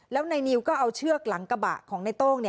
แล้วนายนิวก็เอาเชือกหลังกระบะของในโต้ง